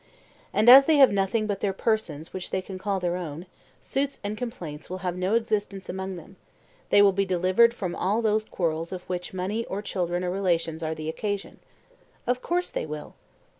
And as they have nothing but their persons which they can call their own, suits and complaints will have no existence among them; they will be delivered from all those quarrels of which money or children or relations are the occasion. Of course they will.